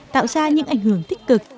tạo ra những ảnh hưởng tích cực